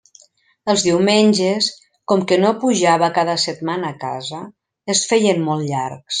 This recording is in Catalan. Els diumenges, com que no pujava cada setmana a casa, es feien molt llargs.